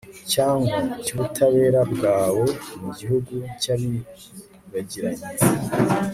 cyangwa cy'ubutabera bwawe mu gihugu cy'abibagiranye